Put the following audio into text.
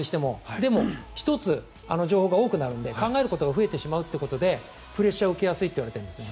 でも１つ、情報が多くなるので考えることが増えてしまうのでプレッシャーを受けやすいと言われているんですね。